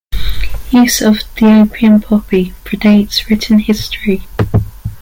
Use of the opium poppy predates written history.